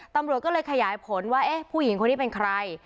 ตำรวจก็เลยขยายผลว่าเอ๊ะผู้หญิงคนนี้เป็นใคร